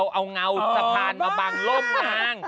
เอาเงาสะพานมาบังล่มนาง